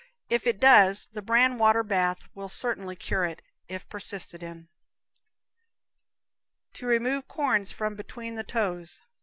If it does, the bran water bath will certainly cure it, if persisted in. To Remove Corns from Between the Toes.